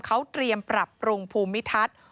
เขาเตรียมปรับปรุงภูมิทัศน์